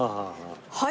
はい！